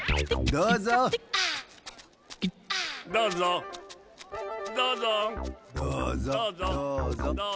どうぞどうぞどうぞどうぞ。